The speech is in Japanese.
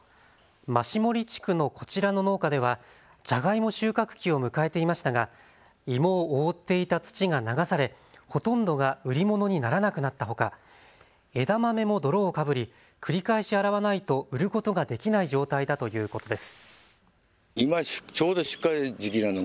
増森地区のこちらの農家ではジャガイモ収穫期を迎えていましたが芋を覆っていた土が流されほとんどが売り物にならなくなったほか、枝豆も泥をかぶり繰り返し洗わないと売ることができない状態だということです。